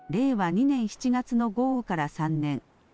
２年７月の豪雨から３年。